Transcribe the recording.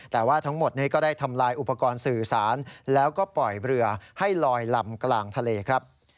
แต่ว่าทั้งหมดนี้ก็ได้ทำลายอุปกรณ์สื่อสารแล้วก็ปล่อยเรือให้ลอยลำกลางทะเลครับ